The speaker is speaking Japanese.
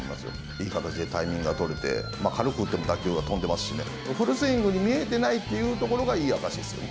いい形でタイミングが取れて、軽く打っても打球は飛んでますしね、フルスイングに見えてないっていうということがいい証しですよね。